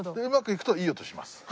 うまくいくといい音します。